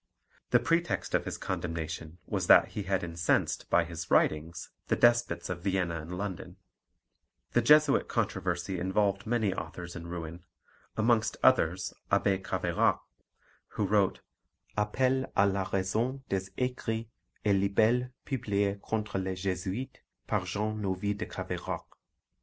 The pretext of his condemnation was that he had incensed by his writings the despots of Vienna and London. The Jesuit controversy involved many authors in ruin, amongst others Abbé Caveirac, who wrote Appel à la Raison des Ecrits et Libelles publiés contre les Jésuites, par Jean Novi de Caveirac (Bruxelles, 1762, 2 vols., in 12).